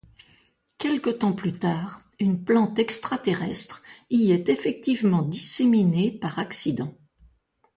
Quelque temps plus tard, une plante extraterrestre y est effectivement disséminée par accident.